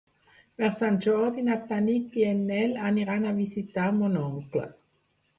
Per Sant Jordi na Tanit i en Nel aniran a visitar mon oncle.